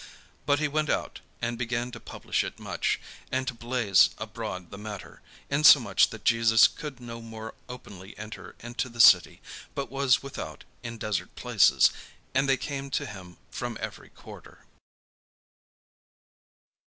But he went out, and began to publish it much, and to blaze abroad the matter, insomuch that Jesus could no more openly enter into the city, but was without in desert places: and they came to him from every quarter.